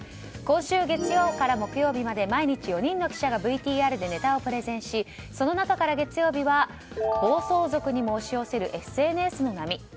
今週月曜から木曜日まで毎日４人の記者がＶＴＲでネタをプレゼンしその中から月曜日は暴走族にも押し寄せるＳＮＳの波。